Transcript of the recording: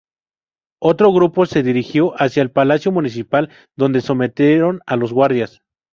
Otro grupo se dirigió hacia el Palacio Municipal donde sometieron a los guardias.